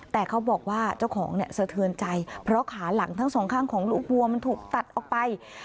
แต่เขาบอกว่าเจ้าของเนี่ยสะเทือนใจเพราะขาหลังทั้งสองข้างของลูกวัวมันถูกตัดออกไป